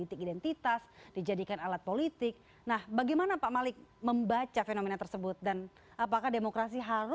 itu hari ini mbak dian